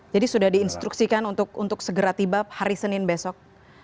jadi sudah diinstruksikan untuk segera tiba hari senin besok